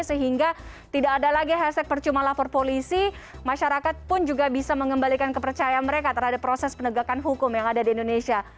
sehingga tidak ada lagi hashtag percuma lapor polisi masyarakat pun juga bisa mengembalikan kepercayaan mereka terhadap proses penegakan hukum yang ada di indonesia